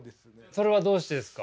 それはどうしてですか？